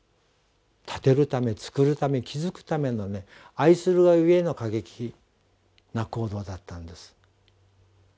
建てるためつくるため築くための愛するがゆえの過激な行動だったんです。